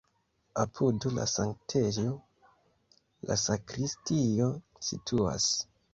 Apud la sanktejo la sakristio situas.